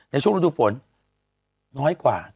ในช่วงฤดูฝนน้อยกว่า